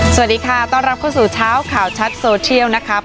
สวัสดีค่ะต้อนรับเข้าสู่เช้าข่าวชัดโซเชียลนะครับ